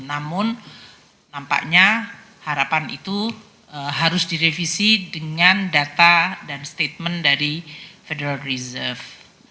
namun nampaknya harapan itu harus direvisi dengan data dan statement dari federal reserve